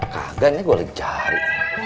kagak ini gue lagi cari